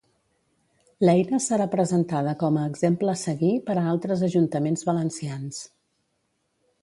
L'eina serà presentada com a exemple a seguir per a altres ajuntaments valencians.